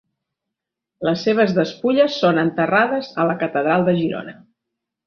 Les seves despulles són enterrades a la Catedral de Girona.